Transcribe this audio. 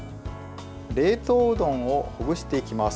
冷凍うどんをほぐしていきます。